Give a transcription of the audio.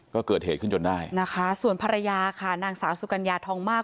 ก็เกิดเหตุขึ้นจนได้นะคะส่วนภรรยาค่ะนางสาวสุกัญญาทองมาก